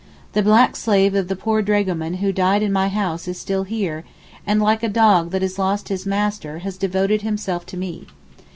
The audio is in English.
The black slave of the poor dragoman who died in my house is here still, and like a dog that has lost his master has devoted himself to me.